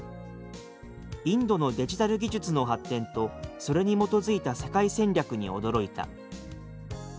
「インドのデジタル技術の発展とそれに基づいた世界戦略に驚いた」